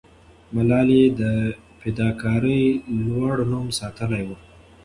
ملالۍ د فداکارۍ لوړ نوم ساتلې وو.